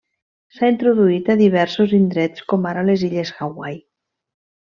S'ha introduït a diversos indrets, com ara les illes Hawaii.